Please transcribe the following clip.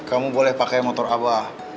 kamu boleh pakai motor abah